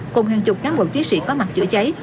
cùng hàng chục cán bộ chiến sĩ có mặt chữa cháy